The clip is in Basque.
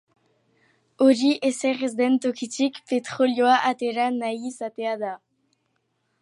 Hori ezer ez den tokitik petrolioa atera nahi izatea da.